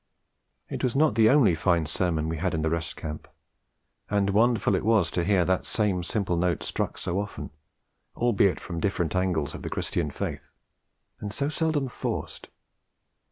It was not the only fine sermon we had in the Rest Camp; and wonderful it was to hear the same simple note struck so often, albeit from different angles of the Christian faith, and so seldom forced.